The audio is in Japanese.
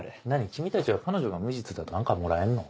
君たちは彼女が無実だと何かもらえんの？